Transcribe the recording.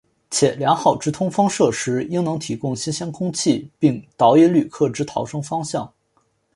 且良好之通风设施应能提供新鲜空气并导引旅客之逃生方向。